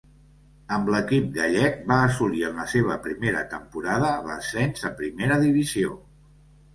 Amb l'equip gallec va assolir en la seva primera temporada l'ascens a Primera divisió.